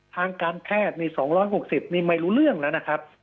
ทางการแพทย์นี่๒๖๐นี่ไม่รู้เรื่องแล้วนะครับ